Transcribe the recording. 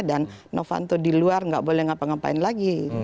dan novanto diluar gak boleh ngapa ngapain lagi